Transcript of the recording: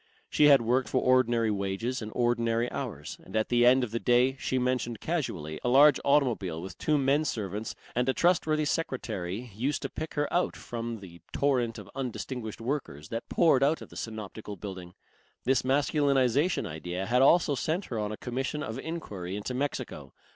She had worked for ordinary wages and ordinary hours, and at the end of the day, she mentioned casually, a large automobile with two menservants and a trustworthy secretary used to pick her out from the torrent of undistinguished workers that poured out of the Synoptical Building. This masculinization idea had also sent her on a commission of enquiry into Mexico.